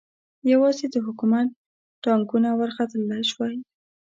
یوازې د حکومت ټانګونه ورختلای شوای.